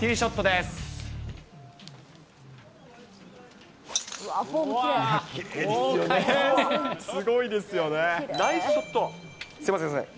すごいですよね。